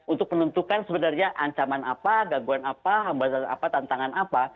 untuk menentukan sebenarnya ancaman apa gangguan apa hambatan apa tantangan apa